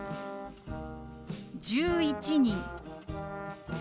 「１１人」。